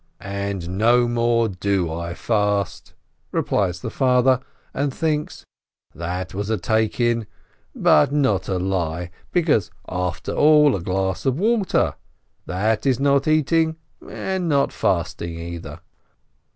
"And no more do I fast!" replies the father, and thinks: "That was a take in, but not a lie, because, after all, a glass of water — that is not eating and not fasting, either."